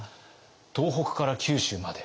東北から九州まで。